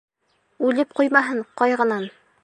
Үлеп ҡуймаһын, ҡайғынан.